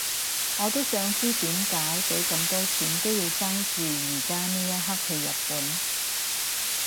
我都想知點解畀咁多錢都要爭住而家呢一刻去日本